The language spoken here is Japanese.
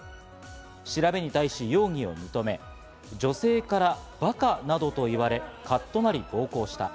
調べに対し容疑を認め、女性からバカなどと言われ、カッとなり暴行した。